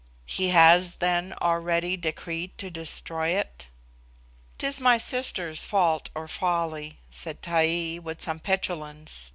"He has, then, already decreed to destroy it?" "'Tis my sister's fault or folly," said Taee, with some petulance.